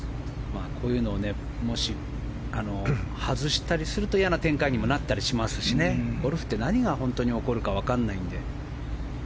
こういうのをもし外したりすると嫌な展開にもなったりしますしゴルフって何が起こるか本当にわからないので。